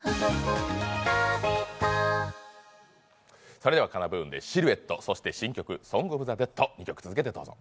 それではＫＡＮＡ−ＢＯＯＮで「シルエット」そして新曲「ソングオブザデッド」２曲続けてどうぞ。